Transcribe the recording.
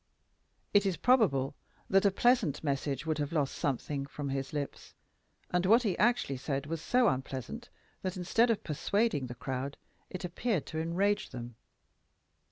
It is probable that a pleasant message would have lost something from his lips, and what he actually said was so unpleasant that, instead of persuading the crowd, it appeared to enrage them.